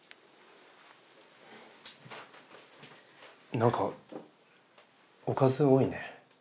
なんかおかず多いね。